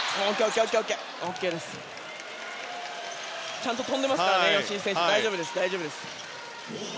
ちゃんと跳んでいますからね吉井選手、大丈夫です。